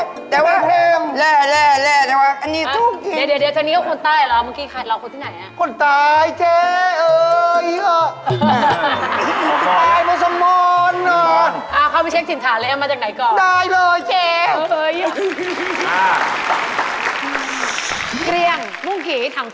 แต่ว่าแฮมแหละแหละวะอันนี้จุ๊กจุ๊กจุ๊กจุ๊กจุ๊ก